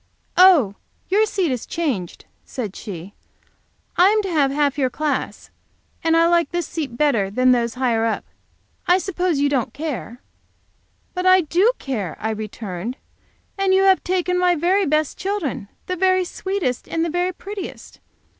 "Oh, your seat is changed," said she. "I am to have half your class, and I like this seat better than those higher up. I suppose you don't care?" "But I do care," I returned; "and you have taken my very best children the very sweetest and the very prettiest.